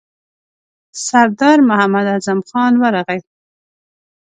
سردار محمد اعظم خان ورغی.